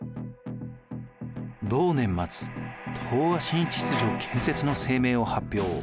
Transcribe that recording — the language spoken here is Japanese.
同年末東亜新秩序建設の声明を発表。